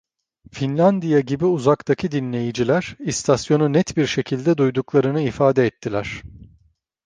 Finlandiya gibi uzaktaki dinleyiciler, istasyonu net bir şekilde duyduklarını ifade ettiler.